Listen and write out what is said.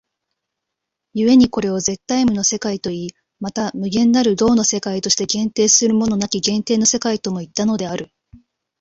故にこれを絶対無の世界といい、また無限なる動の世界として限定するものなき限定の世界ともいったのである。